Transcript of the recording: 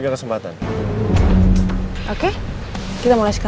kesempatan pertama gagal ya